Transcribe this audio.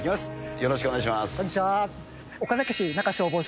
よろしくお願いします。